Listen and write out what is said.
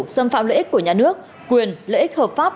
xâm phạm lợi ích của nhà nước quyền lợi ích hợp pháp